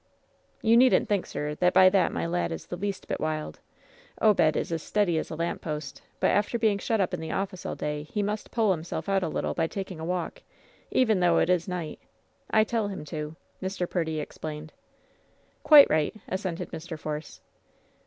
"You needn't think, sir, by that that my lad is the least bit wild. Obed is as steady as a lamp post, but after being shut up in the office all day he must pull 216 LOVE'S BITTEREST CUP himflelf out a little by taking a walk, even though it ia night I tell him to/' Mr. Purdy explained. "Quite right," assented Mr. Force.